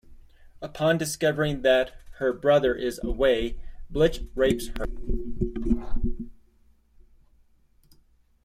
Upon discovering that her brother is away, Blitch rapes her.